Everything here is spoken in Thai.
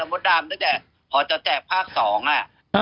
ตอนที่ดมาตั้งแต่พอจะแตกภาค๒ง่ะ